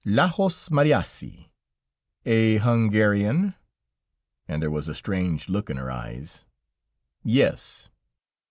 "Lajos Mariassi." "A Hungarian?" And there was a strange look in her eyes. "Yes."